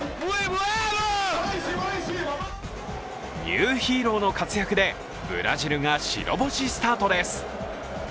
ニューヒーローの活躍でブラジルが白星スタートです。